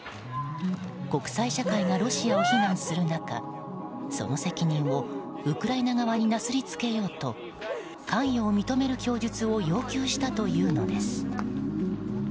国際社会がロシアを非難する中その責任をウクライナ側になすりつけようと関与を認める供述を要求したというのです。